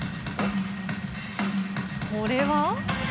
これは？